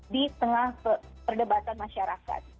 di tengah perdebatan masyarakat